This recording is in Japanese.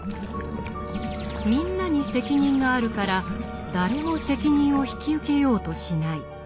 「みんな」に責任があるから誰も責任を引き受けようとしない。